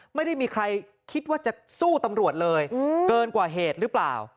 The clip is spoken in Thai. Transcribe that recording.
ไม่ได้มีใครคิดว่าจะสู้ตำรวจเลยเกินกว่าเหตุหรือเปล่า